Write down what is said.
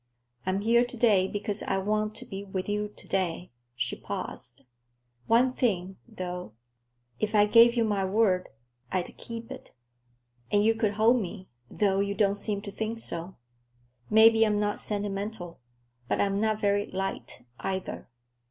I am here to day because I want to be with you to day." She paused. "One thing, though; if I gave you my word, I'd keep it. And you could hold me, though you don't seem to think so. Maybe I'm not sentimental, but I'm not very light, either.